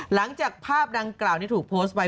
หลังจากภาพดังกล่าวที่ถูกโพสต์ไว้